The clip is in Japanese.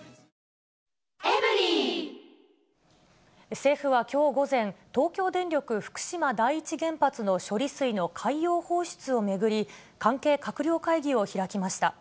政府はきょう午前、東京電力福島第一原発の処理水の海洋放出を巡り、関係閣僚会議を開きました。